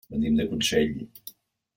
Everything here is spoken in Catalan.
Venim de Consell.